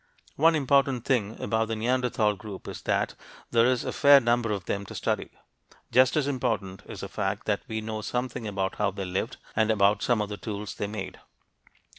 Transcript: One important thing about the Neanderthal group is that there is a fair number of them to study. Just as important is the fact that we know something about how they lived, and about some of the tools they made.